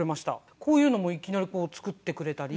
こういうのもいきなり作ってくれたり。